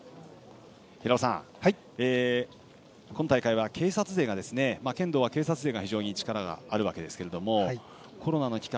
平尾さん、今大会は警察勢が非常に力があるわけですがコロナの期間